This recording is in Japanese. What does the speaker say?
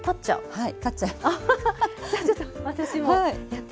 はい。